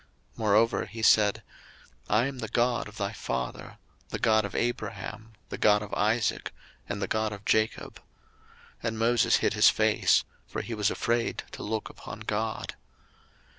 02:003:006 Moreover he said, I am the God of thy father, the God of Abraham, the God of Isaac, and the God of Jacob. And Moses hid his face; for he was afraid to look upon God.